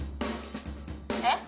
えっ？